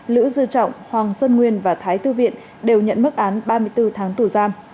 lữ dư trọng hoàng sơn nguyên và thái tư viện đều nhận mức án ba mươi bốn tháng tù giam